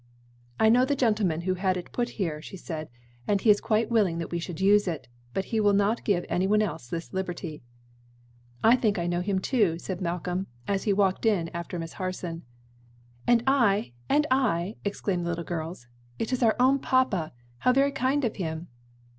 "I know the gentleman who had it put here," she said, "and he is quite willing that we should use it; but he will not give any one else this liberty." "I think I know him too," said Malcolm as he walked in after Miss Harson. "And I!" "And I!" exclaimed the little girls. "It is our own papa. How very kind of him!"